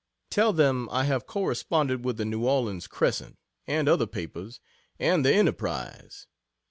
Tell them I have corresponded with the N. Orleans Crescent, and other papers and the Enterprise.